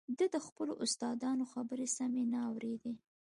ده د خپلو استادانو خبرې سمې نه اورېدې